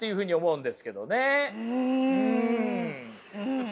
うん。